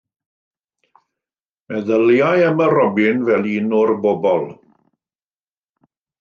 Meddyliai am y robin fel un o'r bobl.